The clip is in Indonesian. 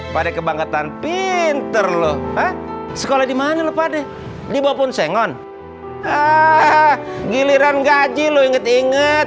pada kebangkatan pinter lu sekolah dimana lu pada dibawa pun sengon giliran gaji lu inget inget